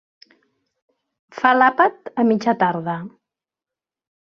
Fa l'àpat a mitja tarda.